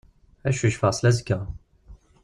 Ad cucfeɣ seldazekka.